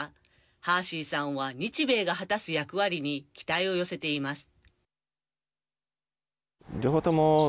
ハーシーさんは日米が果たす役割に期待を寄せています。